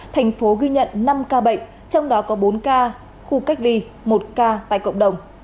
thành phố ghi nhận năm ca bệnh trong đó có bốn ca khu cách ly một ca tại cộng đồng